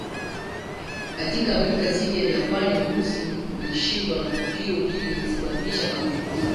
Katika vita dhidi ya Japani Urusi ulishindwa na tukio hili lilisababisha mapinduzi